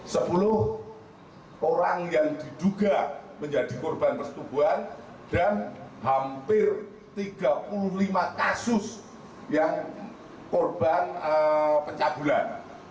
sepuluh orang yang diduga menjadi korban persetubuhan dan hampir tiga puluh lima kasus yang korban pencabulan